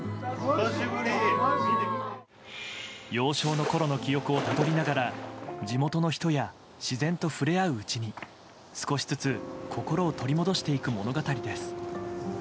幼少のころの記憶をたどりながら地元の人や自然と触れ合ううちに少しずつ心を取り戻していく物語です。